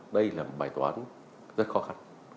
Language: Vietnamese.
đây là một bài toán rất khó khăn